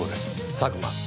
佐久間。